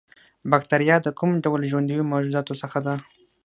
باکتریا د کوم ډول ژوندیو موجوداتو څخه ده